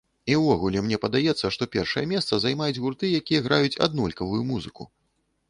І ўвогуле, мне падаецца, што першае месца займаюць гурты, якія граюць аднолькавую музыку.